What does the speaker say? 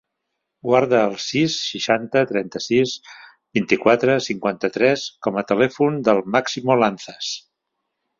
Guarda el sis, seixanta, trenta-sis, vint-i-quatre, cinquanta-tres com a telèfon del Máximo Lanzas.